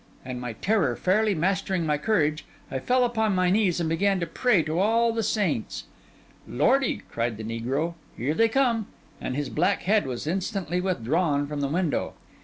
And, my terror fairly mastering my courage, I fell upon my knees and began to pray to all the saints. 'Lordy!' cried the negro, 'here they come!' And his black head was instantly withdrawn from the window.